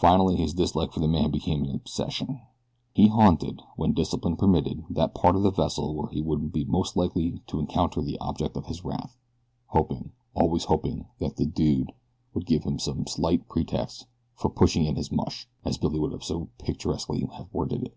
Finally his dislike for the man became an obsession. He haunted, when discipline permitted, that part of the vessel where he would be most likely to encounter the object of his wrath, hoping, always hoping, that the "dude" would give him some slight pretext for "pushing in his mush," as Billy would so picturesquely have worded it.